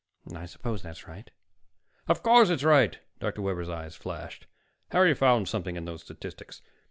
"I suppose that's right." "Of course it's right!" Dr. Webber's eyes flashed. "Harry found something in those statistics.